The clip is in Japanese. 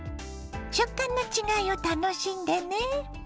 食感の違いを楽しんでね。